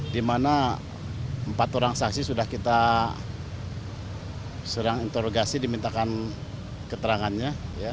di mana empat orang saksi sudah kita serang interogasi dimintakan keterangannya